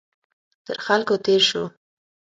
تر خلکو تېر شو.